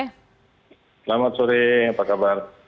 selamat sore apa kabar